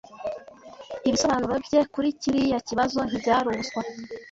Ibisobanuro bye kuri kiriya kibazo ntibyari ubuswa.